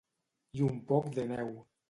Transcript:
I un poc de neu.